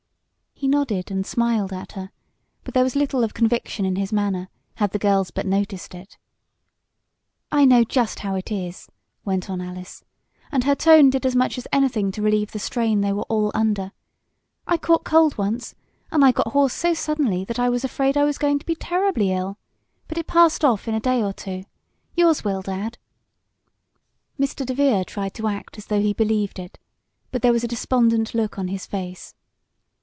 He nodded and smiled at her, but there was little of conviction in his manner, had the girls but noticed it. "I know just how it is," went on Alice, and her tone did as much as anything to relieve the strain they were all under. "I caught cold once, and I got hoarse so suddenly that I was afraid I was going to be terribly ill. But it passed off in a day or two. Yours will, Dad!" Mr. DeVere tried to act as though he believed it, but there was a despondent look on his face.